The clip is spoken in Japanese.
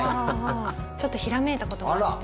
ちょっとひらめいたことがあって。